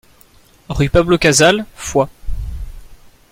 Rue Pablo Casals, Foix